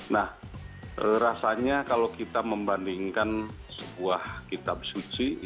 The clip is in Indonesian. nah rasanya kalau kita membandingkan sebuah kitab suci